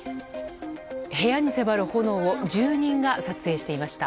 部屋に迫る炎を住人が撮影していました。